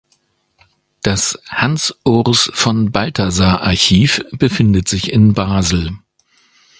Das "Hans-Urs-von-Balthasar-Archiv" befindet sich in Basel.